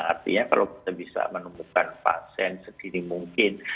artinya kalau kita bisa menemukan vaksin segini mungkin